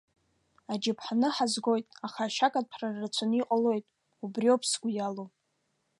Аџьаԥҳаны ҳазхоит, аха ашьакаҭәара рацәаны иҟалоит, убриоуп сгәы иалоу.